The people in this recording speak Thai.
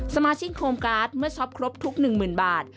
สมาชิกโคมการ์ดเมื่อช็อปครบทุก๑๐๐๐บาท